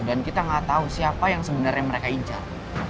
dan kita gak tau siapa yang sebenarnya mereka incar